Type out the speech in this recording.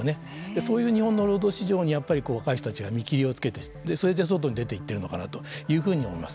そういう日本の労働市場にやっぱり若い人たちが見切りをつけてそれで外に出ていっているのかなというふうに思います。